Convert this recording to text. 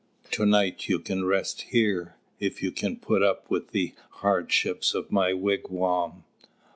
To night you can rest here, if you can put up with the hardships of my wigwam."